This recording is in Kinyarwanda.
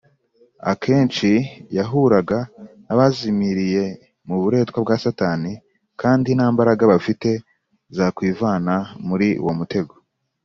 . Akenshi yahuraga n’abazimiriye mu buretwa bwa Satani, kandi nta mbaraga bafite zakwivana muri uwo mutego